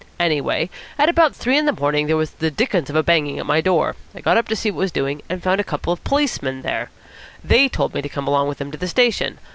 Anyway, at about three in the morning there was the dickens of a banging at my door. I got up to see what was doing, and found a couple of Policemen there. They told me to come along with them to the station.